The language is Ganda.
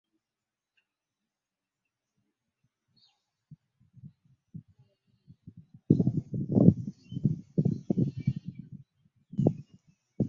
Ono yavumiridde eky’abawagizi be okukitwala nti talina kukwatibwako kubanga munnabyabufuzi era n’abalabula obutaddira kwekalakaasa.